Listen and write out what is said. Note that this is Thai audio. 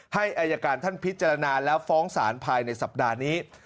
ให้อายการท่านพิจารณาแล้วฟ้องศาลภายในสัปดาห์นี้